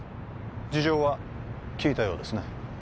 事情は聴いたようですね